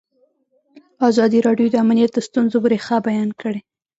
ازادي راډیو د امنیت د ستونزو رېښه بیان کړې.